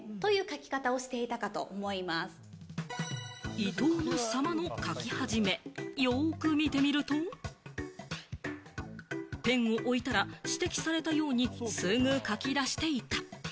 伊藤の「様」の書き始め、よく見てみると、ペンを置いたら指摘されたように、すぐ書き出していた。